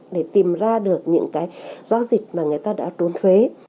để tìm ra được những cái giao dịch mà người ta đã trốn thuế